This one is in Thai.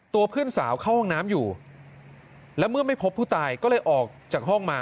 เพื่อนสาวเข้าห้องน้ำอยู่แล้วเมื่อไม่พบผู้ตายก็เลยออกจากห้องมา